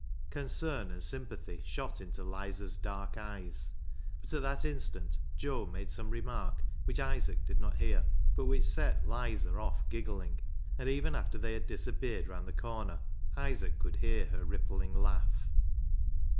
Concern and sympathy shot into " Lizer's " dark eyes, but at that instant Joe made some remark, which Isaac did not hear, but which set " Lizer " off giggling, and even after they had disappeared round the corner Isaac could hear her rippling laugh.